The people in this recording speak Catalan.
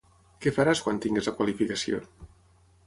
Què faràs quan tinguis la qualificació?